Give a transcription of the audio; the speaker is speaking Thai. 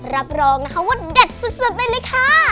รับรองนะคะว่าเด็ดสุดไปเลยค่ะ